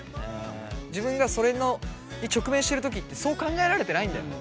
自分がそれに直面してる時ってそう考えられてないんだよね。